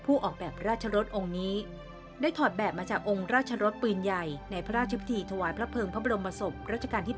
ออกแบบราชรสองค์นี้ได้ถอดแบบมาจากองค์ราชรสปืนใหญ่ในพระราชพิธีถวายพระเภิงพระบรมศพรัชกาลที่๘